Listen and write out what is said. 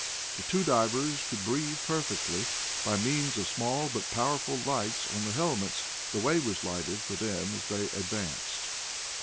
The two divers could breathe perfectly, and by means of small, but powerful lights on the helmets, the way was lighted for them as they advanced.